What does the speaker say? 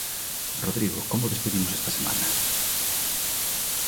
Rodrigo, como despedimos esta semana?